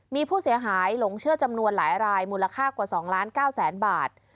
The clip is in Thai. มีผู้เสียหายหลงเชื่อจำนวนหลายรายมูลค่ากว่า๒ล้าน๙แสนบาท